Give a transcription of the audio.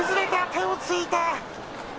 手をついた。